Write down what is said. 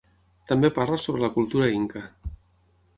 També parla sobre la cultura Inca.